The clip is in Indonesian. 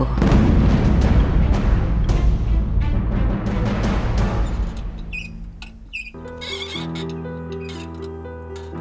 sudah jatuh ke perangkapku